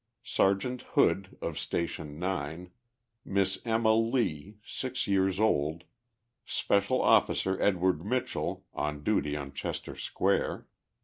Sergeant Hood of Station 9. Miss Emma Lee, G years old. Special Oilicer Edward Mitchell, on duty on Chester Square.